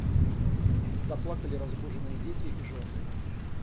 Заплакали разбуженные дети и жены.